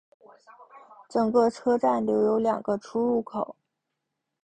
整个车站留有两个出入口。